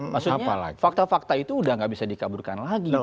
maksudnya fakta fakta itu sudah tidak bisa dikaburkan lagi